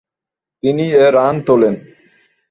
তিনি এ রান তুলেন।